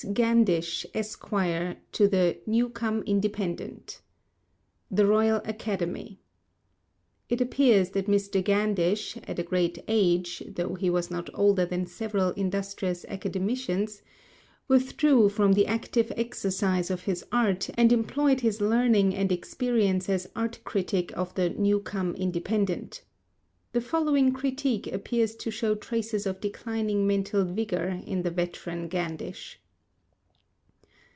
Gandish_, Esq., to the 'Newcome Independent.' THE ROYAL ACADEMY. It appears that Mr. Gandish, at a great age—though he was not older than several industrious Academicans—withdrew from the active exercise of his art and employed his learning and experience as Art Critic of the "Newcome Independent." The following critique appears to show traces of declining mental vigour in the veteran Gandish.